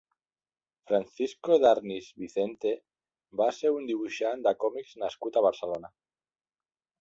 Francisco Darnís Vicente va ser un dibuixant de còmics nascut a Barcelona.